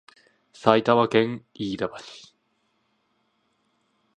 埼玉県飯田橋